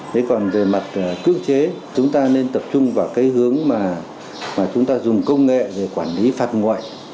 thế còn về mặt cưỡng chế chúng ta nên tập trung vào cái hướng mà chúng ta dùng công nghệ để quản lý phạt ngoại